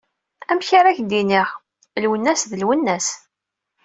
Amek ara ak-d-iniɣ… Lwennas d Lwennas.